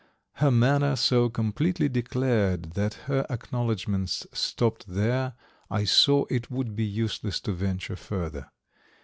Her manner so completely declared that her acknowledgments stopped there, I saw it would be useless to venture further.